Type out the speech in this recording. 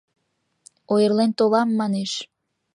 Ойырлен толам, манеш?